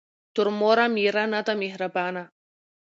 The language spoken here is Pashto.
ـ تر موره مېره ،نه ده مهربانه.